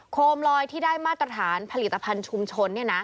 โคมลอยที่ได้มาตรฐานผลิตภัณฑ์ชุมชน